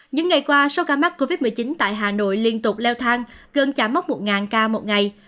những ngày qua sau ca mắc covid một mươi chín tại hà nội liên tục leo thang gần chả mất một ca một ngày